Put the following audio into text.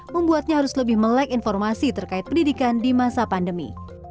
membuatnya harus lebih melek informasi terkait pendidikan di masa pandemi